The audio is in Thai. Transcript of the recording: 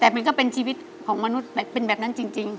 แต่มันก็เป็นชีวิตของมนุษย์เป็นแบบนั้นจริง